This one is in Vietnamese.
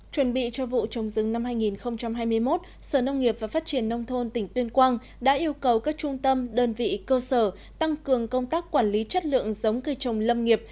chuẩn bị cho vụ trồng rừng năm hai nghìn hai mươi một sở nông nghiệp và phát triển nông thôn tỉnh tuyên quang đã yêu cầu các trung tâm đơn vị cơ sở tăng cường công tác quản lý chất lượng giống cây trồng lâm nghiệp